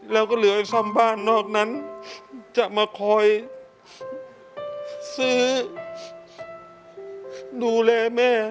แล้วก็เหลือซ่อมบ้านนอกนั้นจะมาคอยซื้อดูแลแม่